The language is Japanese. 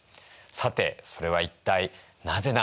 さてそれは一体なぜなのか？